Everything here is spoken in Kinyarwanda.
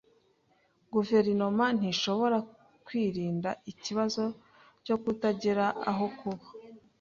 Guverinoma ntishobora kwirinda ikibazo cyo kutagira aho kuba.